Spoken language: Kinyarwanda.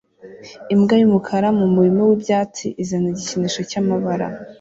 Imbwa yumukara mumurima wibyatsi izana igikinisho cyamabara